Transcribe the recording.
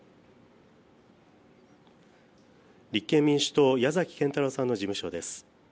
立憲民主党の矢崎堅太郎さんの事務所です。